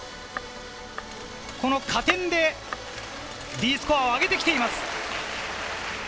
この加点でＤスコアを上げてきています。